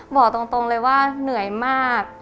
บอกตรงเลยว่าเหนื่อยมาก